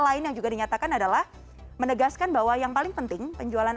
dan hal lain yang juga dinyatakan adalah menegaskan bahwa yang paling penting adalah pendagang